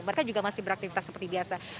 mereka juga masih beraktivitas seperti biasa